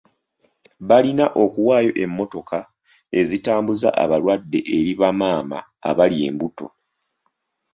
Balina okuwaayo emmotoka ezitambuza abalwadde eri bamaama abali embuto.